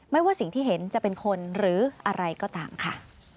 ว่าสิ่งที่เห็นจะเป็นคนหรืออะไรก็ตามค่ะ